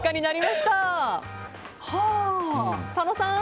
佐野さん。